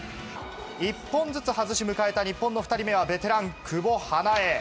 １本ずつ外し、迎えた日本の２人目はベテラン、久保英恵。